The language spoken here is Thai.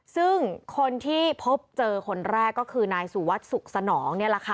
ซึ่งคนที่พบเจอคนแรกก็คือนายสุวัสดิสุขสนองนี่แหละค่ะ